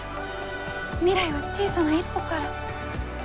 未来は小さな一歩から。